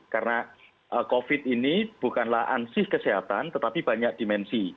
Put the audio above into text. karena covid ini bukanlah ansih kesehatan tetapi banyak dimensi